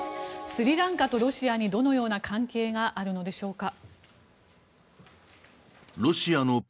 スリランカとロシアにどのような関係があるのでしょうか。